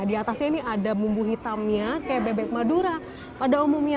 di atasnya ini ada bumbu hitamnya kayak bebek madura pada umumnya